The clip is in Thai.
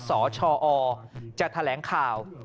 สชอจะแถลงข่าว